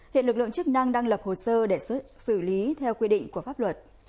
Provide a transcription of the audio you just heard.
hiện lực lượng chức năng đang lập hồ sơ để xử lý theo quy định của pháp luật